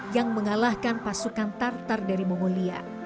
yang mengalahkan pasukan tartar dari mongolia